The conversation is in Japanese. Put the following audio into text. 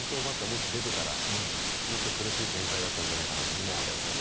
もし出ていたらもっと苦しい展開だったんじゃないかと思います。